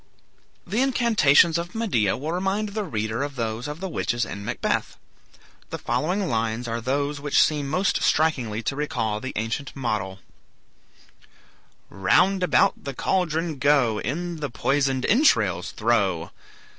The incantations of Medea will remind the reader of those of the witches in "Macbeth." The following lines are those which seem most strikingly to recall the ancient model: "Round about the caldron go; In the poisoned entrails throw.